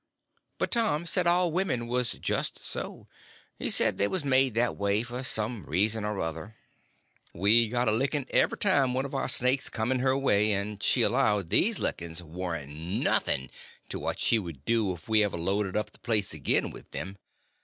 But Tom said all women was just so. He said they was made that way for some reason or other. We got a licking every time one of our snakes come in her way, and she allowed these lickings warn't nothing to what she would do if we ever loaded up the place again with them.